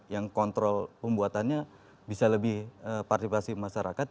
yang kontrol pembuatannya bisa lebih partisipasi masyarakat